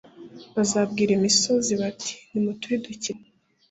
bazabwire imisozi bati «Nimuturidukireho !»,